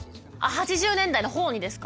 ８０年代のほうにですか？